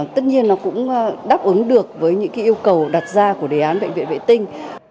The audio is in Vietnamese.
tất nhiên nó cũng đáp ứng được với những yêu cầu đặt ra của đề án bệnh viện vệ tinh